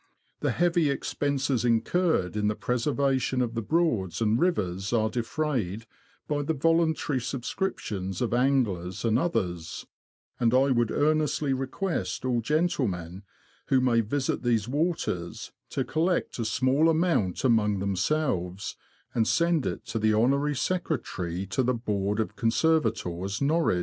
The heavy expenses incurred in the preservation of the Broads and rivers are defrayed by the voluntary subscriptions of anglers and others ; and I would earnestly request all gentlemen who may visit these waters to collect a small amount among themselves, and send it to the Hon. Secretary to the Board of Conservators, Norwich.